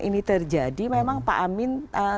ini terjadi memang pak amin